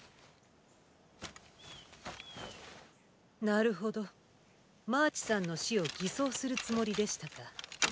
なるほどマーチさんの死を偽装するつもりでしたか。